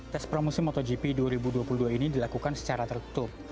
tes pramusim motogp dua ribu dua puluh dua ini dilakukan secara tertutup